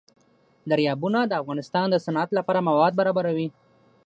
دریابونه د افغانستان د صنعت لپاره مواد برابروي.